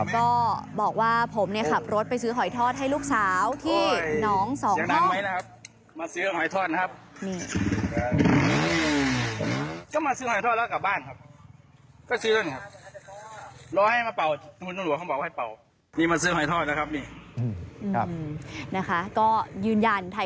ก็บอกว่าผมเนี้ยขับรถไปซื้อหอยทอดให้ลูกสาวที่น้องสองเพราะ